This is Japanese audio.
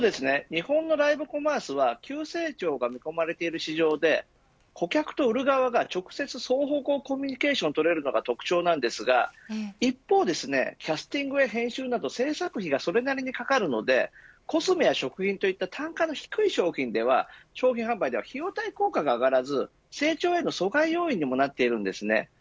日本のライブコマースは急成長が見込まれている市場で顧客と売る側が直接コミュニケーションを取れるのが特徴なんですが一方でキャスティング編集など制作費がそれなりにかかるのでコスメや食品といった単価の低い商品では費用対効果が上がらず成長への阻害要因にもなっているんですね。